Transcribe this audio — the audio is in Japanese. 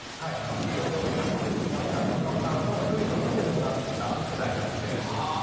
先ほど話に出てきました水野さんのクイズを見て育った世代なので。